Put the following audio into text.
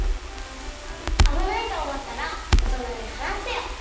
あぶないとおもったらおとなにはなすよ！